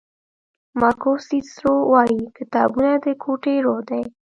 مارکوس سیسرو وایي کتابونه د کوټې روح دی.